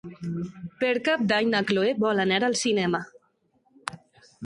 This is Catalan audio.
Per Cap d'Any na Cloè vol anar al cinema.